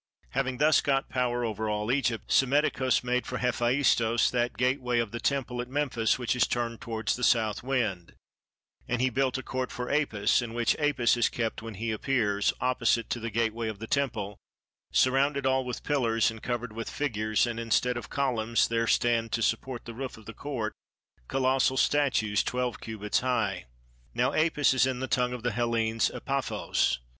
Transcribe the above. Having thus got power over all Egypt, Psammetichos made for Hephaistos that gateway of the temple at Memphis which is turned towards the South Wind; and he built a court for Apis, in which Apis is kept when he appears, opposite to the gateway of the temple, surrounded all with pillars and covered with figures; and instead of columns there stand to support the roof of the court colossal statues twelve cubits high. Now Apis is in the tongue of the Hellenes Epaphos.